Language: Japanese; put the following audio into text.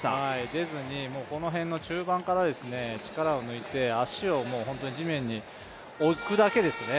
出ずに、この辺の中盤から力を抜いて足を地面に置くだけですよね。